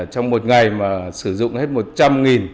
trong một ngày mà sử dụng hết một trăm linh